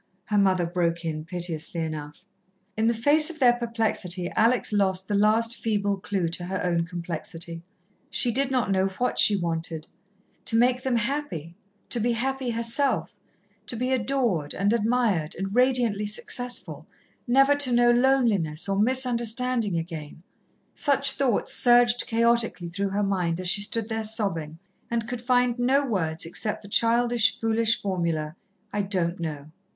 her mother broke in, piteously enough. In the face of their perplexity, Alex lost the last feeble clue to her own complexity. She did not know what she wanted to make them happy, to be happy herself, to be adored and admired and radiantly successful, never to know loneliness, or misunderstanding again such thoughts surged chaotically through her mind as she stood there sobbing, and could find no words except the childish foolish formula, "I don't know."